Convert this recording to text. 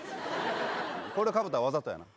これかぶったらわざとやな？